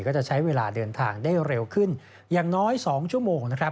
ก็จะใช้เวลาเดินทางได้เร็วขึ้นอย่างน้อย๒ชั่วโมงนะครับ